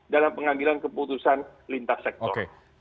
dalam pengambilan keputusan lintas sektor